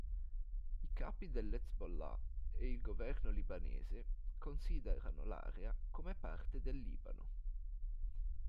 I capi dell'Hezbollah e il governo libanese considerano l'area come parte del Libano.